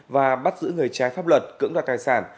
và bắt giữ người trái pháp luật cưỡng đoạt tài sản